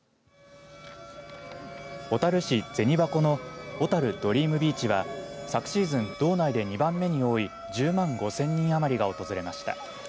小樽市銭函のおたるドリームビーチは昨シーズン、道内で２番目に多い１０万５０００人余りが訪れました。